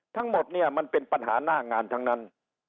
ทั้งหมดเนี่ยมันเป็นปัญหาหน้างานทั้งนั้น